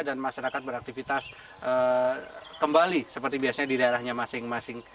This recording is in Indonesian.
masyarakat beraktivitas kembali seperti biasanya di daerahnya masing masing